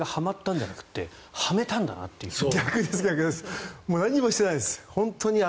采配がはまったんじゃなくてはめたんだなと。